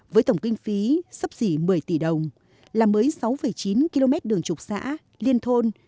với tổng kinh phí sắp xỉ một mươi tỷ đồng làm mới sáu chín km đường trục xã liên thôn